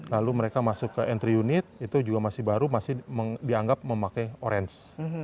lalu mereka masuk ke entry unit itu juga masih baru masih dianggap memakai orange